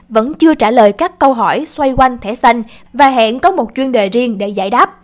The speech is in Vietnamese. vẫn chưa trả lời các câu hỏi xoay quanh thẻ xanh và hẹn có một chuyên đề riêng để giải đáp